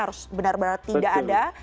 harus benar benar tidak ada